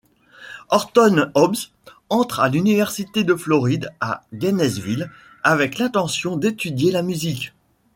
Horton Hobbs entre à l’université de Floride à Gainesville avec l’intention d’étudier la musique.